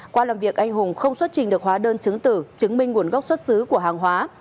qua làm việc anh hùng không xuất trình được hóa đơn chứng tử chứng minh nguồn gốc xuất xứ của hàng hóa